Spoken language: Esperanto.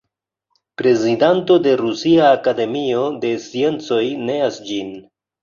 Prezidanto de Rusia Akademio de Sciencoj neas ĝin.